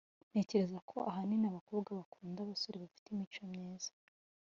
ntekereza ko ahanini abakobwa bakunda abasore bafite imico myiza